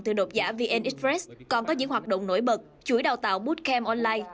từ đột giả vn express còn có những hoạt động nổi bật chuỗi đào tạo bootcamp online